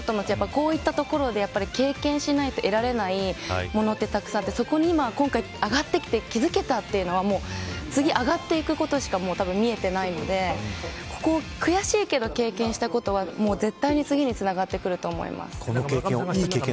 こういったところで経験しないと得られないものってたくさんあってそこに今回上がってきて気付けたというのは次、上がっていくことしか見えていないのでここは悔しいけど経験したことは絶対に次につながってくると思います。